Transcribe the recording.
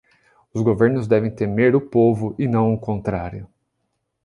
Os governos devem temer o povo, e não o contrário